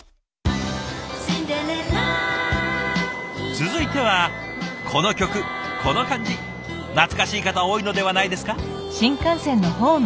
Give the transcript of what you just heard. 続いてはこの曲この感じ懐かしい方多いのではないですか？